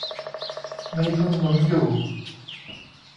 มีทุนหนุนอยู่